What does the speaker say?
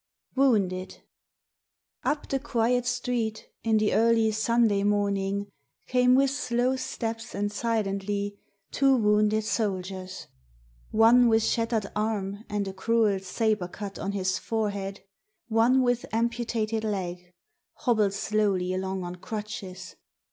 WOUNDED Up the quiet street in the early Sunday morning, came with slow steps and silently, two wounded soldiers: One with shattered arm and a cruel sabre cut on his forehead; One with amputated leg, hobbled slowly along on crutches.